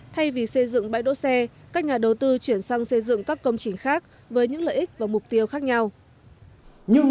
thay vì xây dựng bãi đỗ xe các nhà đầu tư chuyển sang xây dựng các công trình khác với những lợi ích và mục tiêu khác nhau